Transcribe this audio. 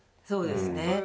そうですね。